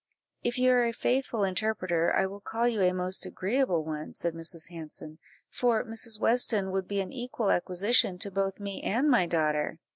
"If you are a faithful interpreter, I will call you a most agreeable one," said Mrs. Hanson, "for Mrs. Weston would be an equal acquisition to both me and my daughter."